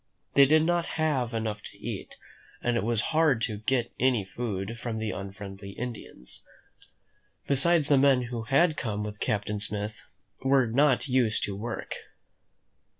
They did not have enough to eat, and it was hard to get any food (0^ THE MEN WHO FOUND AMERICA from the unfriendly Indians. Besides, the men who had come with Captain Smith were not used to work.